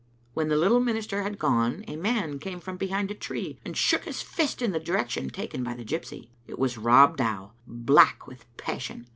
When the little minister had gone, a man came from behind a tree and shook his fist in the direction taken by the gypsy. It was Rob Dow, black with passion.